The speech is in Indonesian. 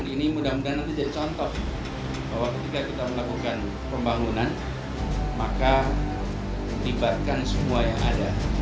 ini mudah mudahan nanti jadi contoh bahwa ketika kita melakukan pembangunan maka libatkan semua yang ada